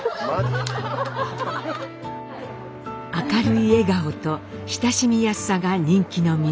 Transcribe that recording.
明るい笑顔と親しみやすさが人気の源。